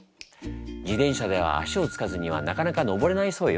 自転車では足をつかずにはなかなか上れないそうよ。